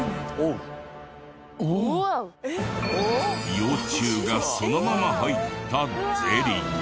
幼虫がそのまま入ったゼリー。